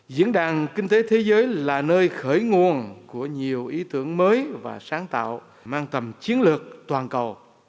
diễn đàn kinh tế thế giới là nơi khởi nguồn của nhiều ý tưởng mới và sáng tạo mang tầm chiến lược toàn cầu